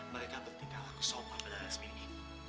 mereka bertindak laku sopan pada lasmini